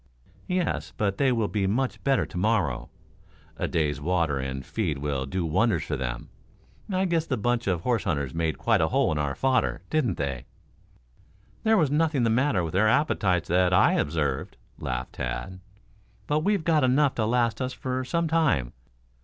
"Yes; but they will be much better to morrow. A day's water and feed will do wonders for them. I guess the bunch of horse hunters made quite a hole in our fodder, didn't they?" "There was nothing the matter with their appetites that I observed," laughed Tad. "But we've got enough to last us for some time.